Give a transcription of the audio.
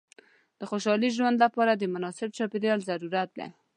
د خوشحاله ژوند لپاره د مناسب چاپېریال ضرورت دی.